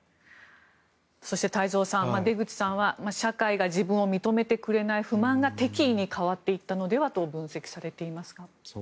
そして太蔵さん出口さんは社会が自分を認めてくれない不満が敵意に変わっていったのではと分析されていますが。